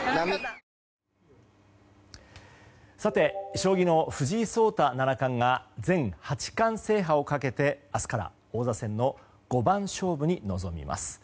将棋の藤井聡太七冠が全八冠制覇をかけて明日から王座戦の五番勝負に臨みます。